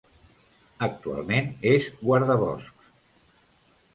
Actualment és guardaboscs.